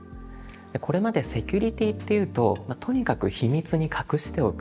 これまでセキュリティっていうととにかく秘密に隠しておく。